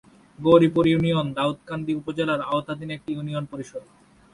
Gauripur union Daudkandi উপজেলার আওতাধীন একটি ইউনিয়ন পরিষদ।